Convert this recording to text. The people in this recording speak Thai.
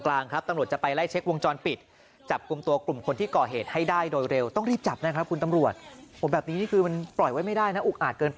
ขอดู